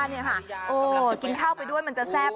อย่างนี้ค่ะโอ้กินข้าวไปด้วยมันจะแซ่บ